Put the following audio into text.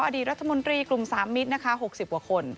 อดีตรัฐมนตรีกลุ่มทราบมิตรนะคะหกสิบกว่าคน